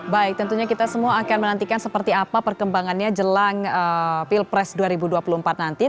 baik tentunya kita semua akan menantikan seperti apa perkembangannya jelang pilpres dua ribu dua puluh empat nanti